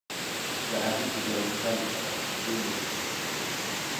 د هډوکو د روغتیا لپاره کلسیم وخورئ